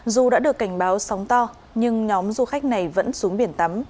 dù đã được cảnh báo sóng to nhưng nhóm du khách này vẫn xuống biển tắm